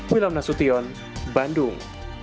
wilam nasution bandung